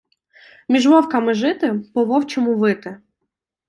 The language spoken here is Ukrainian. Між вовками жити, по-вовчому вити.